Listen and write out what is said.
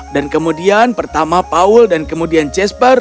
dan kemudian pertama paul dan kemudian jasper